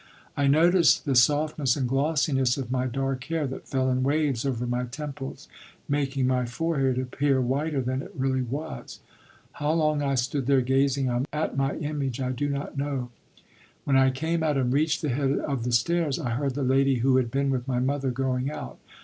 I noticed the softness and glossiness of my dark hair that fell in waves over my temples, making my forehead appear whiter than it really was. How long I stood there gazing at my image I do not know. When I came out and reached the head of the stairs, I heard the lady who had been with my mother going out.